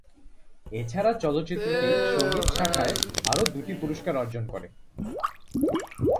এছাড়া চলচ্চিত্রটি সঙ্গীত শাখায় আরও দুটি পুরস্কার অর্জন করে।